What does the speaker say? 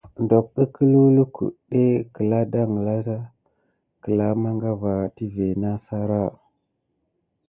Dok ǝklǝw lukudé kǝla dangla kǝla mangava tivé nah sara.